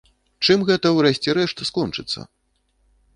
Чым гэта, у рэшце рэшт, скончыцца?